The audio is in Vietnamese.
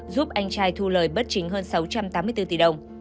giúp anh trai thu lời bất chính hơn sáu trăm tám mươi bốn tỷ đồng